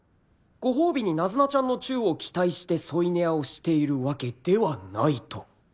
ご褒美にナズナちゃんのチューを期待して添い寝屋をしているわけではないと